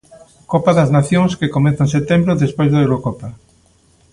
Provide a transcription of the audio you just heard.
Copa das Nacións, que comeza en setembro despois da Eurocopa.